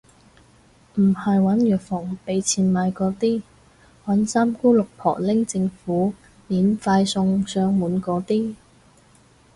唔係搵藥房畀錢買嗰啲，搵三姑六婆拎政府免費送上門嗰啲